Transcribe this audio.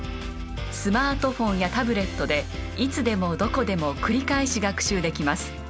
スマートフォンやタブレットでいつでもどこでも繰り返し学習できます。